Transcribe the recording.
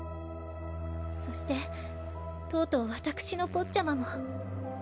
そしてとうとう私のポッチャマも。